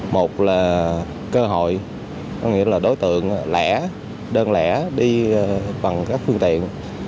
một là cơ hội có nghĩa là đối tượng lẻ đơn lẻ đi bằng các phương tiện